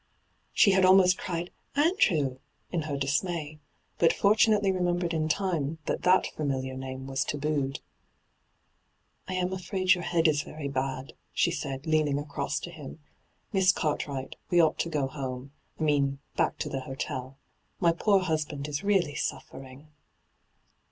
She had almost cried ' Andrew )' in her dismay, but fortunately remembered in time that that familiar name was tabooed. * I am afraid your head is very bad,' she said, leaning across to him. ' Miss Cart wright, we ought to go home — I mean, back to the hotel. My poor husband is reaUy suffering.'